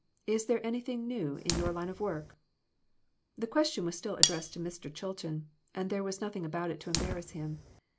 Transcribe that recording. Is there anything new in your line of work?" The question was still addressed to Mr. Chilton, and there was nothing about it to embarrass him.